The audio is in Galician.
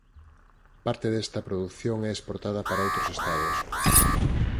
Parte desta produción é exportada para outros estados.